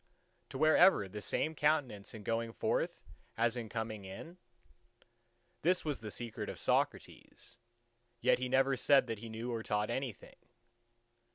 to wear ever the same countenance in going forth as in coming in? This was the secret of Socrates: yet he never said that he knew or taught anything.